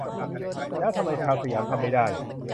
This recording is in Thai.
แล้วทำไมชาวสยามทำไม่ได้